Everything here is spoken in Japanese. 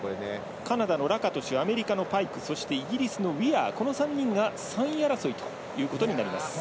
カナダのラカトシュアメリカのパイクそしてイギリスのウィアーこの３人が３位争いということになります。